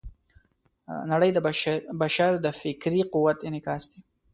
نړۍ د بشر د فکري قوت انعکاس دی.